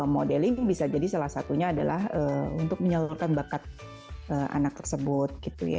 modeling bisa jadi salah satunya adalah untuk menyalurkan bakat anak tersebut gitu ya